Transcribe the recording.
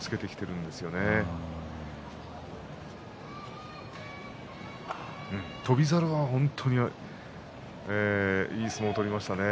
うん、翔猿は本当にいい相撲を取りましたね。